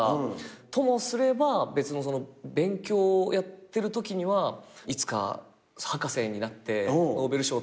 ともすれば別の勉強をやってるときにはいつか博士になってノーベル賞を取るんだとか。